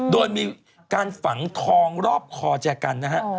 โดยมีการฝังทองรอบคอแจกันนะฮะ